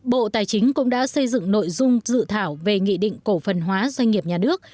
bộ tài chính cũng đã xây dựng nội dung dự thảo về nghị định cổ phần hóa doanh nghiệp nhà nước